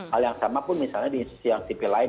hal yang sama pun misalnya di institusi yang sipil lain